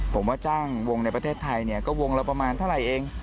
ผมว่าจ้างวงในประเทศไทยก็วงเราประมาณเท่าไรเอง